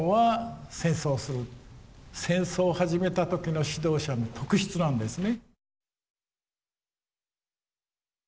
戦争を始めた時の指導者の特質なんですね。